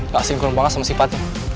gak sinkron banget sama sifatnya